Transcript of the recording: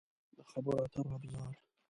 د خبرو اترو ابزار